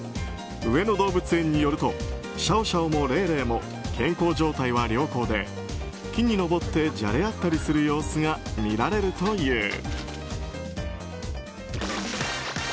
上野動物園によるとシャオシャオもレイレイも健康状態は良好で木に登ってじゃれ合ったりする様子が見られるという。